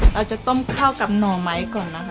เราจะต้มเข้ากับหน่อไม้ก่อนนะคะ